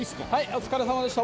お疲れさまでした。